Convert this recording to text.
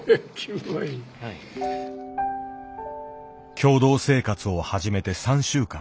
共同生活を始めて３週間。